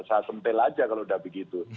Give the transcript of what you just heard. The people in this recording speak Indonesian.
saya sentil aja kalau udah begitu